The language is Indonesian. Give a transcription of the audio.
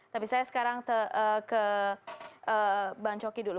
tapi saya sekarang ke bang coki dulu